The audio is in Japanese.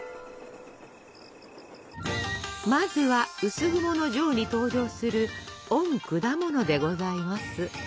まずは「薄雲」の帖に登場する「御くだもの」でございます。